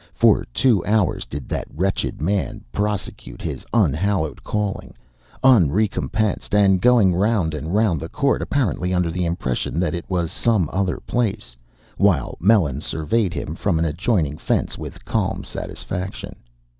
For two hours did that wretched man prosecute his unhallowed calling, unrecompensed, and going round and round the court, apparently under the impression that it was some other place, while Melons surveyed him from an adjoining fence with calm satisfaction.